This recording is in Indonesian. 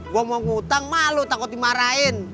gue mau ngutang malu takut dimarahin